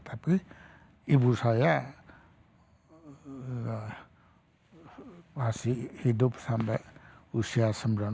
tapi ibu saya masih hidup sampai usia sembilan puluh